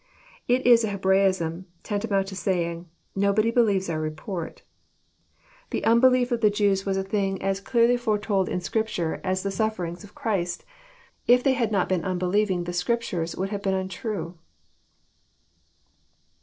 It is a Hebraism, tantamount to saying, ^'Nobody believes our ro.poit." The unbelief of the 366 EXPOSITORY THOUGHIS. Jews was a thing as clearly foretold in Scripture as the suffer ings of Christ. If they had not been unbelieving, the Scriptures would have been untrue.